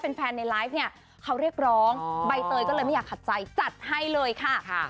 แฟนในไลฟ์เนี่ยเขาเรียกร้องใบเตยก็เลยไม่อยากขัดใจจัดให้เลยค่ะ